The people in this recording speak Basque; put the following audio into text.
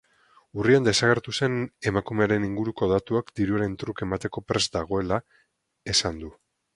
Urrian desagertu zen emakumearen inguruko datuak diruaren truke emateko prest dagoela esan du.